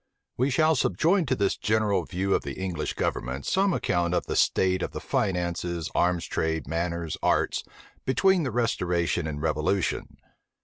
We shall subjoin to this general view of the English government some account of the state of the finances, arms trade, manners, arts, between the restoration and revolution.